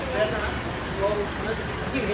พัคดีครับทุกคน